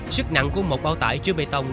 sức nặng của một bao tải chứa bê tông